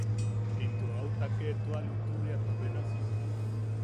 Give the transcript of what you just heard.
Into au take tua lutuʼuriata benasi;.